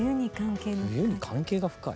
羽田：冬に関係が深い？